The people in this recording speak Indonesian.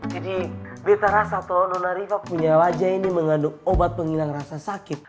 jadi beta rasa toh nona rifai punya wajah ini mengandung obat menghilang rasa sakit